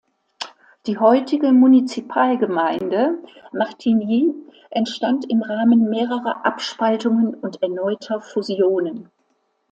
Die heutige Munizipalgemeinde Martigny entstand im Rahmen mehrerer Abspaltungen und erneuter Fusionen.